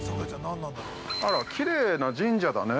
◆あら、きれいな神社だね。